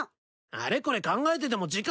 あれこれ考えてても時間の無駄だ。